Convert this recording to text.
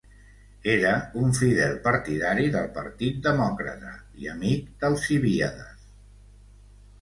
Era un fidel partidari del partit demòcrata i amic d'Alcibíades.